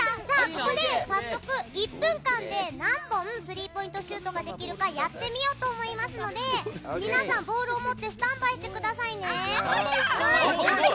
ここで早速１分間で何本スリーポイントシュートができるかやってみようと思いますので皆さん、ボールを持ってスタンバイしてくださいね。